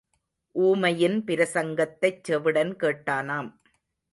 ஊமையின் பிரசங்கத்தைச் செவிடன் கேட்டானாம்.